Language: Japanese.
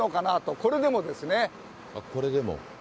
これでも。